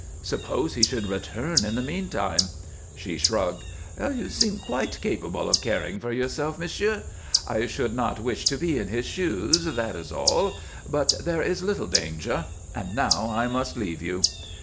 "Suppose he should return in the mean time?" She shrugged. "You seem quite capable of caring for yourself, m'sieu'. I should not wish to be in his shoes, that is all. But there is little danger. And now I must leave you."